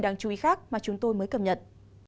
đáng chú ý khác mà chúng tôi mới cập nhật